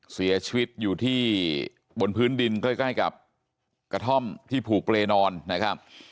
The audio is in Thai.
เสียชีวิตอยู่ที่บนพื้นดินใกล้กับกระท่อมที่ผูกเปรย์นอนนะครับ